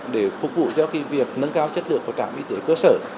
để phục vụ cho việc nâng cao chất lượng của trạm y tế cơ sở